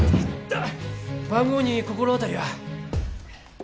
番号に心当たりは？